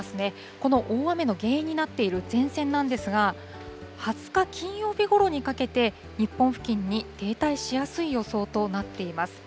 この大雨の原因になっている前線なんですが、２０日金曜日ごろにかけて、日本付近に停滞しやすい予想となっています。